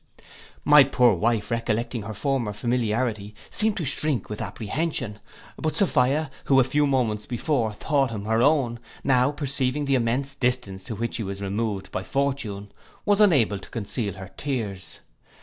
My poor wife recollecting her former familiarity, seemed to shrink with apprehension; but Sophia, who a few moments before thought him her own, now perceiving the immense distance to which he was removed by fortune, was unable to conceal her tears.